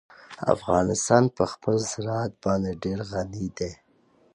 افغانستان په خپل زراعت باندې ډېر غني دی.